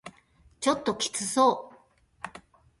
ちょっときつそう